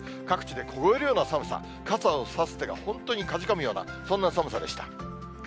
各地で凍えるような寒さ、傘を差す手が本当にかじかむような、そんな寒さでした。